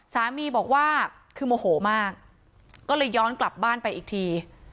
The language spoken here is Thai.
สามีบอกว่าคือโมโหมากก็เลยย้อนกลับบ้านไปอีกที